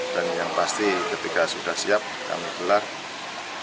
dan yang pasti ketika sudah siap yang pasti untuk terduga itu akan kita segera laksanakan